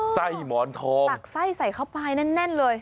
ไส้หมอนทองตักไส้ใส่เข้าไปแน่นเลย